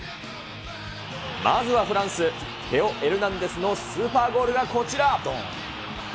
まずはフランス、テオ・エルナンデスのスーパーゴールがこちら。